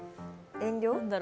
遠慮？